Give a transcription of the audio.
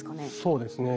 そうですね。